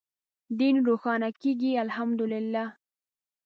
دین روښانه کېږي الحمد لله.